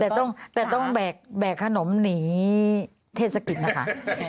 แต่ต้องแต่ต้องแบกขนมหนีเทศกิลนะคะ